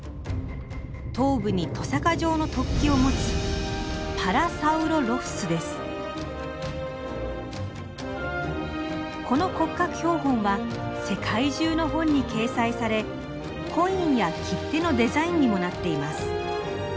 頭部にとさか状の突起を持つこの骨格標本は世界中の本に掲載されコインや切手のデザインにもなっています。